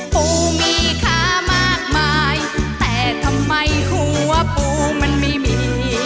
ปูมีค้ามากมายแต่ทำไมหัวปูมันไม่มี